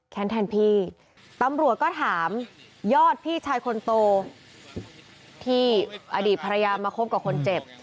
แทนพี่ตำรวจก็ถามยอดพี่ชายคนโตที่อดีตภรรยามาคบกับคนเจ็บ